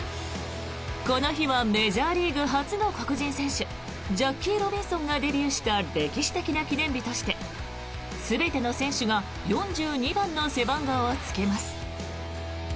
この日はメジャーリーグ初の黒人選手ジャッキー・ロビンソンがデビューした歴史的な記念日として全ての選手が４２番の背番号をつけます。